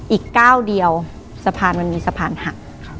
อีกก้าวเดียวสะพานมันมีสะพานหัก